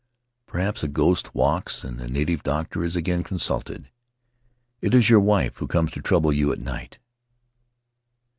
Perhaps a ghost walks and the native doctor is again consulted. 'It is your wife who comes to trouble you at night?